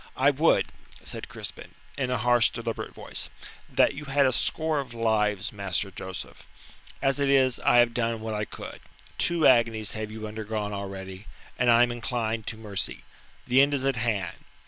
"I would," said Crispin, in a harsh, deliberate voice, "that you had a score of lives, Master Joseph. As it is I have done what I could. Two agonies have you undergone already, and I am inclined to mercy. The end is at hand.